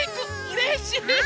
うれしい！